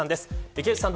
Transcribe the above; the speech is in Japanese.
池内さん